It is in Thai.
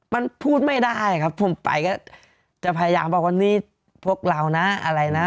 มันพูดไม่ได้ครับผมไปก็จะพยายามบอกว่านี่พวกเรานะอะไรนะ